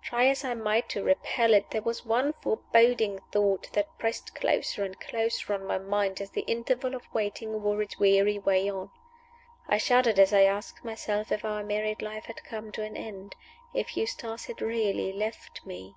Try as I might to repel it, there was one foreboding thought that pressed closer and closer on my mind as the interval of waiting wore its weary way on. I shuddered as I asked myself if our married life had come to an end if Eustace had really left me.